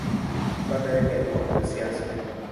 Baba yake alikua mwanasiasa.